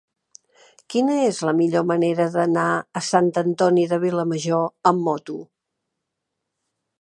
Quina és la millor manera d'anar a Sant Antoni de Vilamajor amb moto?